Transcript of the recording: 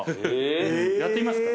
やってみますか。